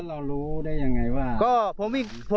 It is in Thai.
เรารู้ได้ยังไงว่า